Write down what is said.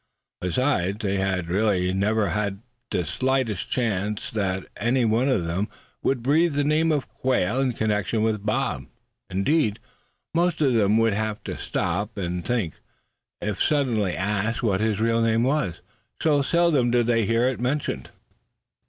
Besides, there had really never been the slightest chance that any one of them would breathe that name of Quail in connection with Bob; indeed, most of them would have had to stop and think, if suddenly asked what his real name was, so seldom did they hear it mentioned.